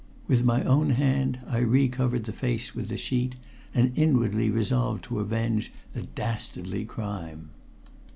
With my own hand I re covered the face with the sheet, and inwardly resolved to avenge the dastardly crime.